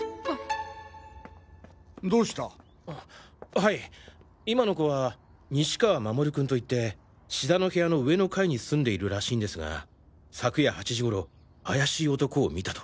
はい今の子は西川守君といって志田の部屋の上の階に住んでいるらしいんですが昨夜８時頃怪しい男を見たと。